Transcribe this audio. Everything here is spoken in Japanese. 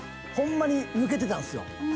ほんまに抜けてたんですよ。